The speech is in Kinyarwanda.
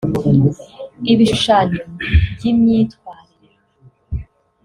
ibishushanyo by’imyitwarire